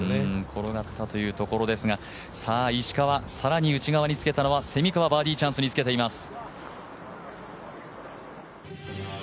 転がったというところですが石川、更に内側につけたのは蝉川、バーディーチャンスにつけています。